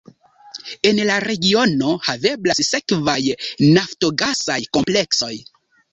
En la regiono haveblas sekvaj naftogasaj kompleksoj.